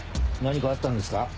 何かあったんですか？